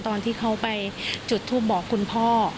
ตอนที่เขาไปจุดทูปบอกคุณพ่อ